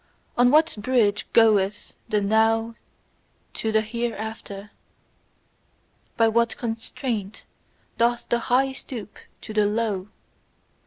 On what bridge goeth the now to the hereafter? By what constraint doth the high stoop to the low?